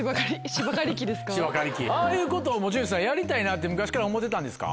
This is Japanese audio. ああいうことを持ち主さんやりたいなって昔から思うてたんですか？